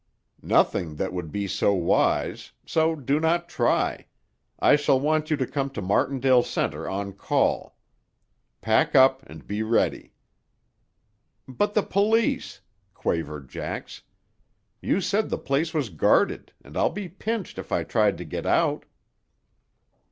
"Nothing that would be so wise. So do not try. I shall want you to come to Martindale Center on call. Pack up and be ready." "But the police!" quavered Jax. "You said the place was guarded, and I'd be pinched if I tried to get out."